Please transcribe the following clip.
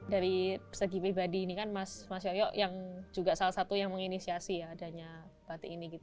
dari segi pribadi mas yoyo juga salah satu yang menginisiasi adanya batik ini